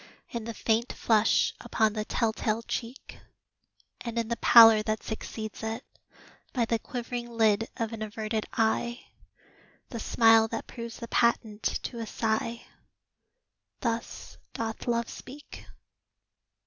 In the faint flush upon the tell tale cheek, And in the pallor that succeeds it; by The quivering lid of an averted eye The smile that proves the patent to a sigh Thus doth Love speak.